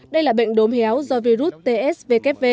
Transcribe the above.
đây là bệnh đốm héo do virus tsv